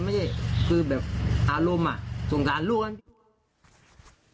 ไม่ใช่คือแบบอารมณ์สงสารลูกกัน